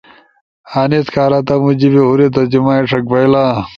ا انیس کارتمو جیِبے ہورے ترجمہ ئی ݜک بئیلا۔